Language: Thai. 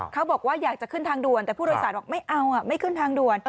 เขาบอกว่าอยากจะขึ้นทางด่วนแต่ผู้โดยสารบอกไม่เอาไม่ขึ้นทางด่วน